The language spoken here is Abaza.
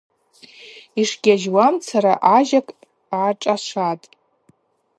Йшгьажьуамцара ажьакӏ гӏашӏашватӏ.